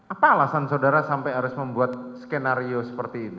apa alasan saudara sampai harus membuat skenario seperti ini